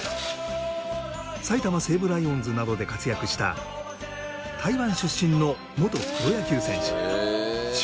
埼玉西武ライオンズなどで活躍した台湾出身の元プロ野球選手許